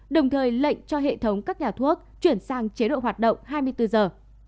đồng thời lệnh cho hệ thống các nhà thuốc chuyển sang chế độ hoạt động hai mươi bốn giờ